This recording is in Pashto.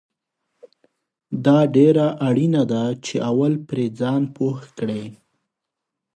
دا ډیره اړینه ده چې اول پرې ځان پوه کړې